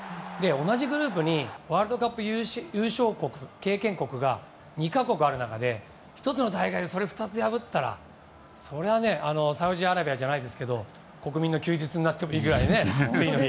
同じグループにワールドカップ優勝経験国が２か国ある中で１つの大会で２つ破ったらそれはサウジアラビアじゃないですけど次の日、国民の休日になってもいいぐらいね。